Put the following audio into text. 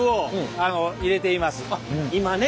今ね